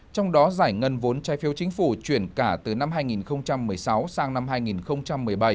trong đó giải ngân vốn trai phiêu chính phủ chuyển cả từ năm hai nghìn một mươi sáu sang năm hai nghìn một mươi bảy